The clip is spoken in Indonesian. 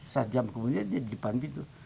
saat jam kemudian dia di depan pintu